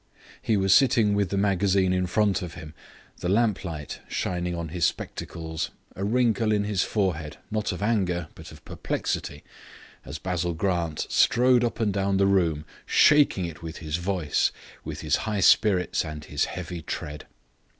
He was sitting with the magazine in front of him, the lamplight shining on his spectacles, a wrinkle in his forehead, not of anger, but of perplexity, as Basil Grant strode up and down the room, shaking it with his voice, with his high spirits and his heavy tread.